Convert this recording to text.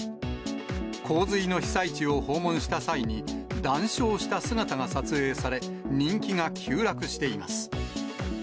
洪水の被災地を訪問した際に、談笑した姿が撮影され、人気が急落しています。